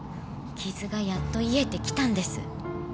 傷がやっと癒えてきたんです。